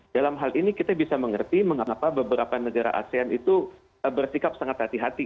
dalam hal ini kita bisa mengerti mengapa beberapa negara asean itu bersikap sangat hati hati